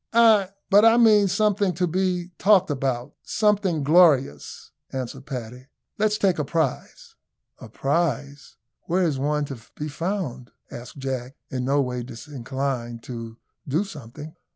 "Ay, but I mean something to be talked about something glorious," answered Paddy. "Let's take a prize." "A prize! Where is one to be found?" asked Jack, in no way disinclined to do something.